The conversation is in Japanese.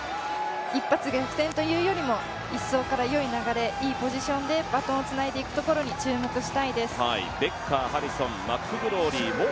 一発逆転というよりも１走からいい流れ、いいポジションでバトンをつないでいくところに注目したいです。